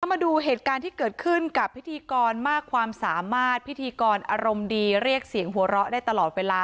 มาดูเหตุการณ์ที่เกิดขึ้นกับพิธีกรมากความสามารถพิธีกรอารมณ์ดีเรียกเสียงหัวเราะได้ตลอดเวลา